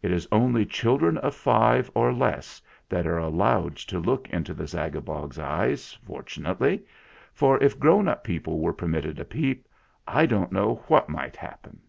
It is only children of five or less that are allowed to look into the Zagabog's eyes, fortunately; for if grown up people were permitted a peep, I don't know what might happen.